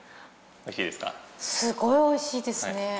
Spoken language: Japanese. すごい美味しいですね。